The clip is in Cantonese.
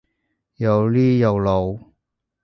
又呢又路？